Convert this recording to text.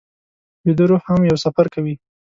ویده روح هم یو سفر کوي